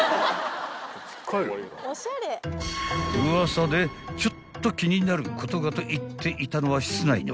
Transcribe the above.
［ウワサで「ちょっと気になることが」と言っていたのは室内のこと］